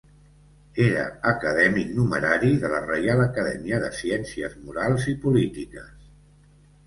Era acadèmic numerari de la Reial Acadèmia de Ciències Morals i Polítiques.